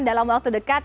dalam waktu dekat